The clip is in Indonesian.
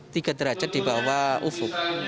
tiga derajat di bawah ufuk